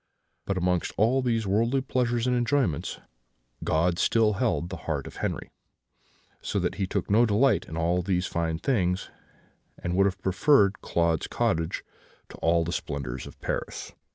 But, amongst all these worldly pleasures and enjoyments, God still held the heart of Henri; so that he took no delight in all these fine things, and would have preferred Claude's cottage to all the splendours of Paris.